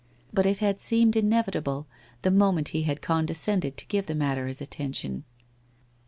But it had seemed inevitable, the moment he had condescended to give the matter his attention.